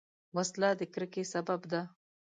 وسله د کرکې سبب ده